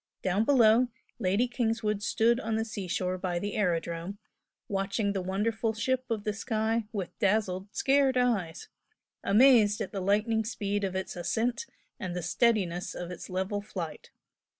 Down below Lady Kingswood stood on the seashore by the aerodrome, watching the wonderful ship of the sky with dazzled, scared eyes amazed at the lightning speed of its ascent and the steadiness of its level flight.